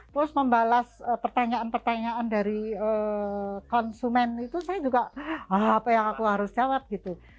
terus membalas pertanyaan pertanyaan dari konsumen itu saya juga apa yang aku harus jawab gitu